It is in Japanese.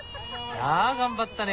あ頑張ったね。